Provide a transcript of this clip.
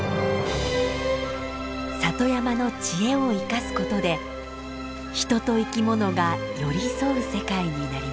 里山の知恵を生かすことで人と生き物が寄り添う世界になりました。